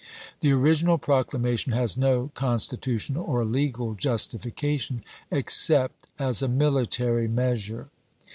The original proclamation has no constitutional or legal justification, except as a military measure.